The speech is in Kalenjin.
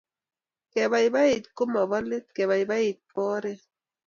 kebaibait ko Mobo let kebaibait ko oret